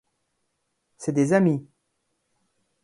C’est des amis.